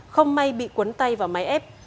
không may bị cuốn tay vào máy ép